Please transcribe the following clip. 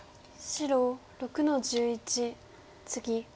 白６の十一ツギ。